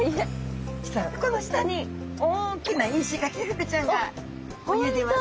実はここの下に大きなイシガキフグちゃんが見えてます。